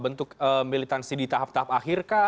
bentuk militansi di tahap tahap akhir kah